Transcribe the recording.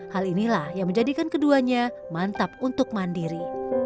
hal inilah yang menjadikan keduanya mantap untuk mandiri